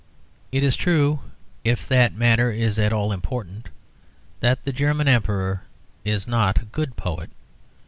It is true, if that matter is at all important, that the German Emperor is not a good poet.